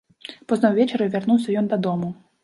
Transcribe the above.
Позна ўвечары вярнуўся ён дадому.